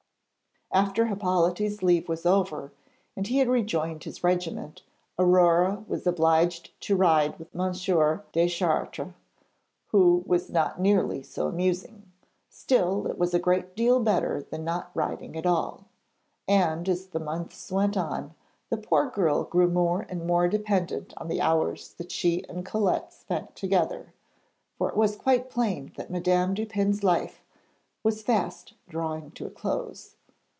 After Hippolyte's leave was over, and he had rejoined his regiment, Aurore was obliged to ride with M. Deschartres, which was not nearly so amusing; still, it was a great deal better than not riding at all. And as the months went on, the poor girl grew more and more dependent on the hours that she and Colette spent together, for it was quite plain that Madame Dupin's life was fast drawing to a close.